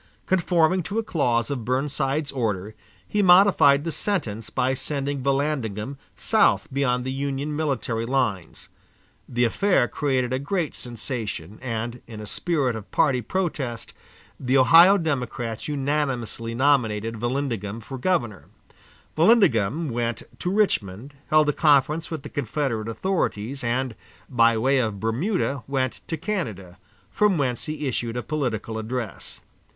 Conforming to a clause of Burnside's order, he modified the sentence by sending Vallandigham south beyond the Union military lines. The affair created a great sensation, and, in a spirit of party protest, the Ohio Democrats unanimously nominated Vallandigham for governor. Vallandigham went to Richmond, held a conference with the Confederate authorities, and, by way of Bermuda, went to Canada, from whence he issued a political address.